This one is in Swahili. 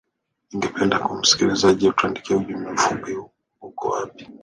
ningependa msikilizaji utuandikie ujumbe mfupi uko wapi